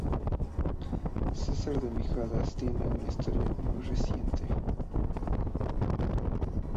Casar de Miajadas tiene una historia muy reciente.